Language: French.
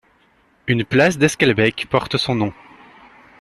Une place d Esquelbecq porte son nom.